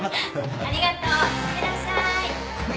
ありがとう。いってらっしゃい。